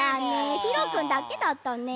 ヒロくんだけだったね。